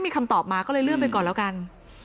ก็เลยเลื่อนไปก่อนไง